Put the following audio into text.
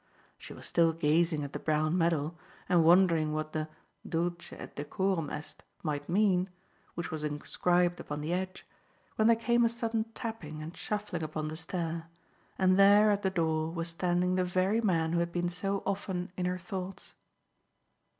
She was still gazing at the brown medal and wondering what the "Dulce et decorum est" might mean, which was inscribed upon the edge, when there came a sudden tapping and shuffling upon the stair, and there at the door was standing the very man who had been so often in her thoughts.